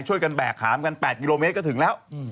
แบกหามกัน๘กิโลเมตรก็ถึงแล้ว